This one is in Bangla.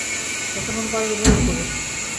যতক্ষণ পারেন উপভোগ করুন।